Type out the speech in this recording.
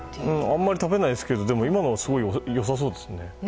あまり食べないですけど今のはすごく良さそうですね。